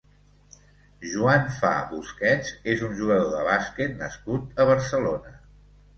Joan Fa Busquets és un jugador de bàsquet nascut a Barcelona.